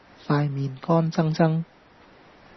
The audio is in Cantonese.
塊面乾爭爭